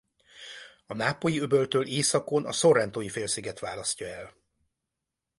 A Nápolyi-öböltől északon a Sorrentói-félsziget választja el.